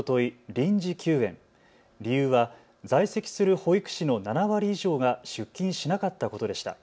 臨時休園、理由は在籍する保育士の７割以上が出勤しなかったことでした。